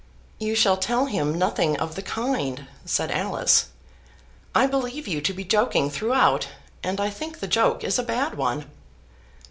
"You shall tell him nothing of the kind," said Alice. "I believe you to be joking throughout, and I think the joke is a bad one."